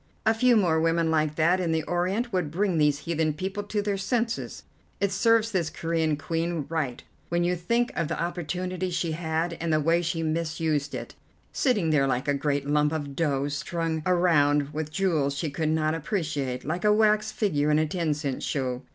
A few more women like that in the Orient would bring these heathen people to their senses. It serves this Corean Queen right when you think of the opportunity she had, and the way she misused it, sitting there like a great lump of dough strung around with jewels she could not appreciate, like a wax figure in a ten cent show.